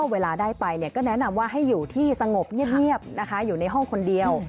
เวลาได้ไปก็แนะนำว่าให้อยู่ที่สงบเงียบนะคะอยู่ในห้องคนเดียว